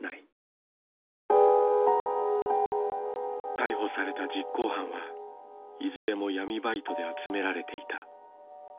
逮捕された実行犯はいずれも闇バイトで集められていた。